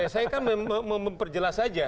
saya kan memperjelas saja